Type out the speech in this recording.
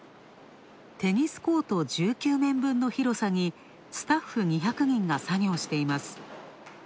テニスコート１９面分の広さにスタッフ２００人が作業しています。